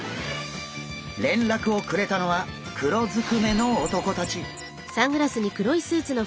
連絡をくれたのは黒ずくめの男たち。